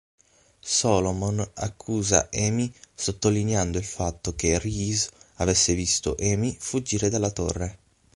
Solomon accusa Amy sottolineando il fatto che Reese avesse visto Amy fuggire dalla torre.